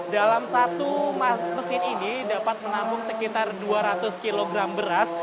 dalam satu mesin ini dapat menampung sekitar dua ratus kg beras